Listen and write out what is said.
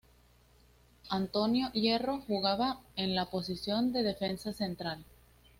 Antonio Hierro jugaba en la posición de defensa central.